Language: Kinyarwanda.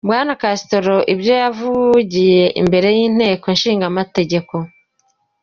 Bwana Castro ibyo yabivugiye imbere y'inteko nshingamategeko.